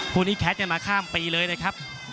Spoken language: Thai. พูดนี้แคทมาข้ามปีเลยนะครับ